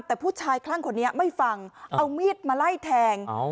แต่ผู้ชายคลั่งคนนี้ไม่ฟังเอามีดมาไล่แทง